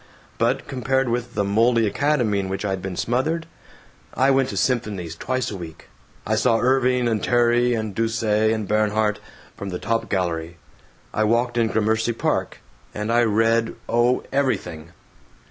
But compared with the moldy academy in which I had been smothered ! I went to symphonies twice a week. I saw Irving and Terry and Duse and Bernhardt, from the top gallery. I walked in Gramercy Park. And I read, oh, everything.